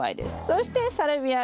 そしてサルビア